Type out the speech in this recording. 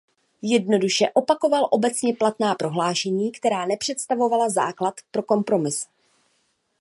Jednoduše opakoval obecně platná prohlášení, která nepředstavovala základ pro kompromis.